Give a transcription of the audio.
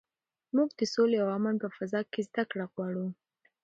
موږ د سولې او امن په فضا کې زده کړه غواړو.